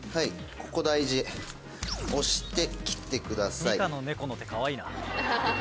ここ大事」「押して切ってください」ニカの猫の手可愛いな。